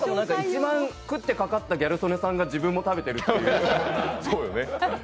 一番食ってかかったギャル曽根さんが、自分も食べてるという。